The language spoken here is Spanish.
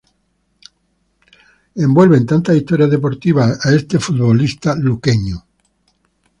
Tantas historias deportivas envuelven a este futbolista luqueño.